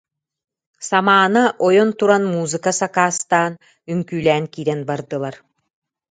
Самаана ойон туран музыка сакаастаан, үҥкүүлээн киирэн бардылар